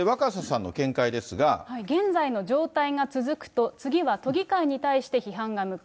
現在の状態が続くと、次は都議会に対して批判が向く。